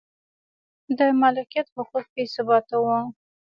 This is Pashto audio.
د مالکیت حقوق بې ثباته و.